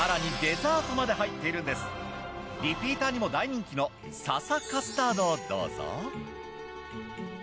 リピーターにも大人気の笹カスタードをどうぞ。